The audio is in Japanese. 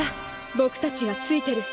僕たちがついてる。